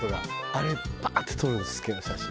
あれバーッて撮るの好きなの写真。